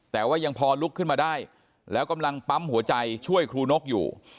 แต่ว่ายังพอลุกขึ้นมาได้แล้วกำลังปั๊มหัวใจช่วยครูนกอยู่